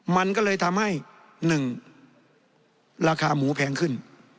มันก็เลยทำให้๑ราคาหมูแพงขึ้น